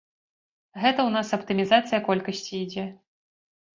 Гэта ў нас аптымізацыя колькасці ідзе.